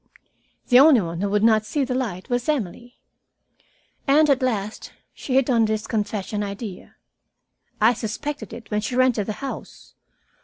The only one who would not see the light was Emily. And at last she hit on this confession idea. I suspected it when she rented the house.